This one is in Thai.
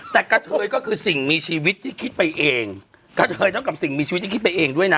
แต่กระเทยก็คือสิ่งมีชีวิตที่คิดไปเองกระเทยเท่ากับสิ่งมีชีวิตที่คิดไปเองด้วยนะ